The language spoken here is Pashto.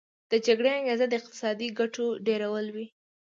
د جګړې انګیزه د اقتصادي ګټو ډیرول وي